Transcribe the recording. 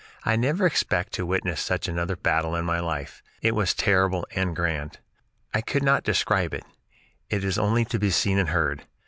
I never expect to witness such another battle in my life; it was most terrible and grand. I could not describe it; it is only to be seen and heard.